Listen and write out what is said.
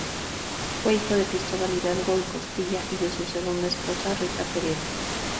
Fue hijo de Cristóbal Hidalgo y Costilla y de su segunda esposa, Rita Peredo.